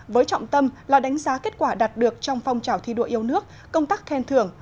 với trọng tâm là đánh giá kết quả đạt được trong phong trào thi đua yêu nước công tác khen thưởng